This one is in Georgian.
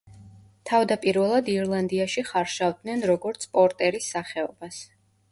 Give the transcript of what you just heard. თავდაპირველად ირლანდიაში ხარშავდნენ როგორც პორტერის სახეობას.